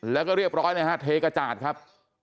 แล้วก็เรียบร้อยนะฮะเทกระจาดครับ